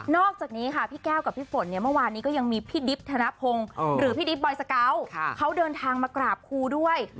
อกจากนี้ค่ะพี่แก้วกับพี่ฝนเนี่ยเมื่อวานนี้ก็ยังมีพี่ดิบธนพงศ์หรือพี่ดิบบอยสเกาะเขาเดินทางมากราบครูด้วย